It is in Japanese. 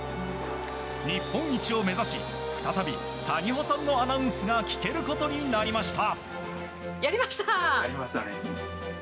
日本一を目指し再び、谷保さんのアナウンスが聞けることになりました。